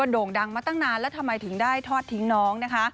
โด่งดังมาตั้งนานแล้วทำไมถึงได้ทอดทิ้งน้องนะคะ